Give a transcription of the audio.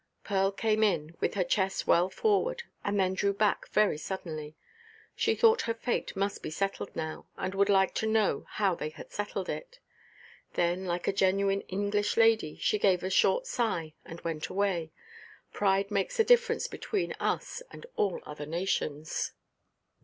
Pearl came in, with her chest well forward, and then drew back very suddenly. She thought her fate must be settled now, and would like to know how they had settled it. Then, like a genuine English lady, she gave a short sigh and went away. Pride makes the difference between us and all other nations.